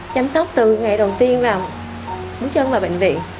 chăm sóc từ ngày đầu tiên vào bước chân vào bệnh viện